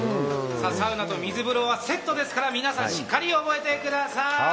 サウナと水風呂はセットですから皆さん、しっかり覚えてください。